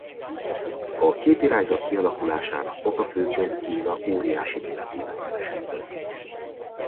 A két irányzat kialakulásának oka főként Kína óriási méretében keresendő.